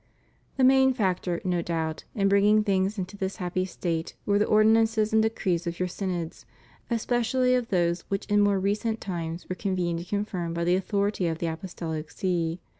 The main factor, no doubt, in bringing things into this happy state were the ordinances and decrees of your synods, especially of those which in more recent times were convened and confirmed by the authority of the Apostolic See.